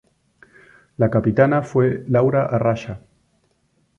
La capitana fue Laura Arraya.